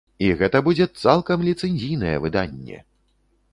І гэта будзе цалкам ліцэнзійнае выданне!